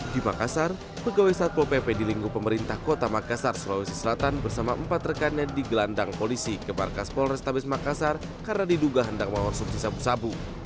di makassar pegawai satpo pp di lingkup pemerintah kota makassar sulawesi selatan bersama empat rekannya digelandang polisi ke markas polrestabes makassar karena diduga hendak mengonsumsi sabu sabu